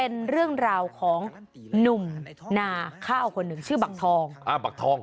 นุ่มหนาข้าวหนึ่งชื่อบักทอง